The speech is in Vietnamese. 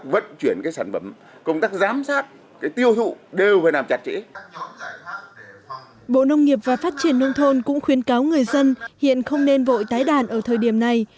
bộ nông nghiệp và phát triển nông thôn cũng khuyến cáo người dân hiện không nên vội tái đàn ở thời điểm này